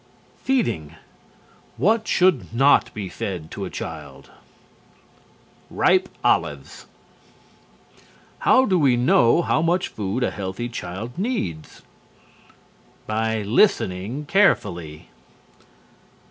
FEEDING What should not be fed to a child? Ripe olives. How do we know how much food a healthy child needs? By listening carefully.